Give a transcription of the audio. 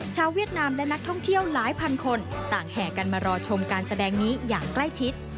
เวียดนามและนักท่องเที่ยวหลายพันคนต่างแห่กันมารอชมการแสดงนี้อย่างใกล้ชิด